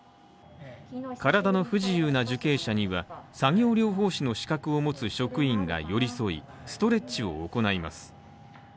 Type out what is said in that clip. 体の不自由な受刑者には、作業療法士の資格を持つ職員が寄り添いストレッチを行います。